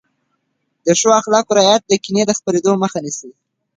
د ښو اخلاقو رعایت د کینې د خپرېدو مخه نیسي.